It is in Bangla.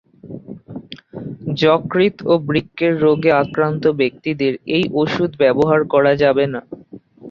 যকৃৎ ও বৃক্কের রোগে আক্রান্ত ব্যক্তিদের এই ওষুধ ব্যবহার করা যাবে না।